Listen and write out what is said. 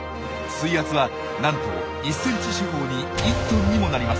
水圧はなんと１ｃｍ四方に１トンにもなります。